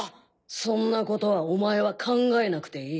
そんなことはお前は考えなくていい。